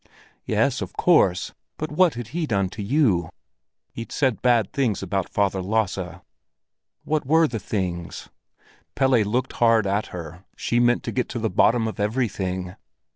"Yes, of course. But what had he done to you?" "He'd said bad things about Father Lasse." "What were the things?" Pelle looked hard at her; she meant to get to the bottom of everything.